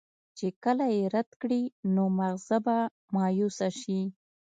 چې کله ئې رد کړي نو مازغۀ به مايوسه شي